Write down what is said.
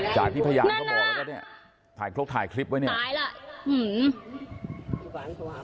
จากที่พยานเขาบอกแล้วก็เนี่ยถ่ายครกถ่ายคลิปไว้เนี่ยหายแล้ว